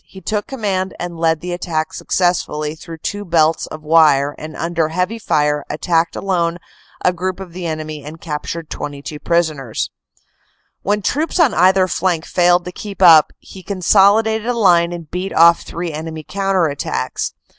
he took command and led the attack successfully through two belts of wire, and under heavy fire attacked alone a group of the enemy and captured 22 prisoners. When troops on either flank failed to keep up he consolidated a line and beat off three enemy counter attacks.